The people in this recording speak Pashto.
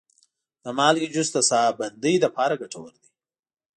د مالټې جوس د ساه بندۍ لپاره ګټور دی.